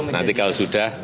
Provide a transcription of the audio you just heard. nanti kalau sudah